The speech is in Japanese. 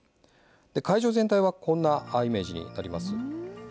会場全体はこんなイメージになります。